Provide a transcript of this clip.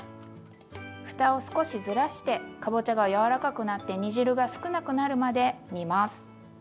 ふたを少しずらしてかぼちゃが柔らかくなって煮汁が少なくなるまで煮ます。